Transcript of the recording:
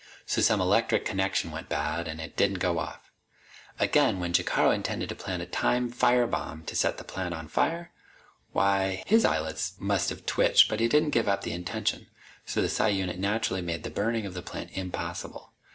So some electric connection went bad, and it didn't go off. Again, when Jacaro intended to plant a time fire bomb to set the plant on fire why his eyelids must have twitched but he didn't give up the intention. So the psi unit naturally made the burning of the plant impossible.